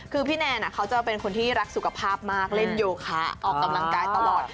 คือพี่แนนเขาจะเป็นคนที่รักสุขภาพมากเล่นโยคะออกกำลังกายตลอด